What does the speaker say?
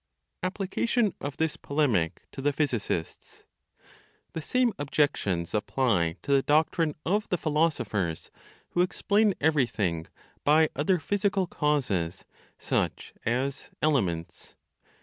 APPLICATION OF THIS POLEMIC TO THE PHYSICISTS. The same objections apply to the doctrine of the philosophers who explain everything by other physical causes (such as "elements").